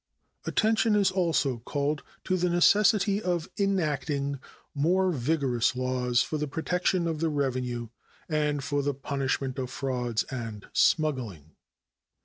Attention is also called to the necessity of enacting more vigorous laws for the protection of the revenue and for the punishment of frauds and smuggling.